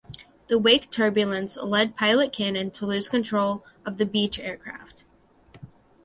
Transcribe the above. The wake turbulence led pilot Cannon to lose control of the Beech aircraft.